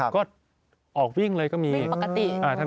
ก็ออกวิ่งเลยก็มีปกติ